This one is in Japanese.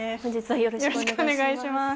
よろしくお願いします。